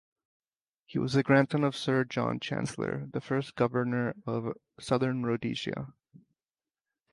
He was the grandson of Sir John Chancellor, the first Governor of Southern Rhodesia.